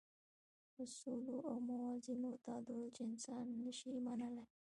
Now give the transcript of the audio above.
اصولو او موازینو تعدیل چې انسان نه شي منلای.